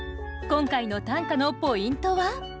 今回の短歌のポイントは？